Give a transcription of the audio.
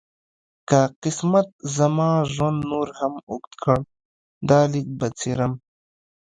که قسمت زما ژوند نور هم اوږد کړ دا لیک به څېرم.